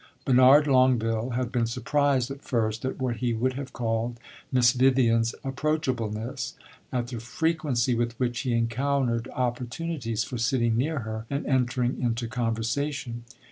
Bernard Longueville had been surprised at first at what he would have called Miss Vivian's approachableness at the frequency with which he encountered opportunities for sitting near her and entering into conversation.